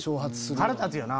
「腹立つよな」